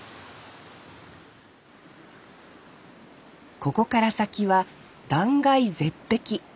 ここから先は断崖絶壁。